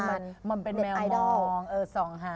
มันเป็นแมวมองมื่นไอดอลส่องหา